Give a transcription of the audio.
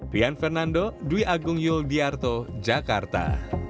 rian fernando dwi agung yul diarto jakarta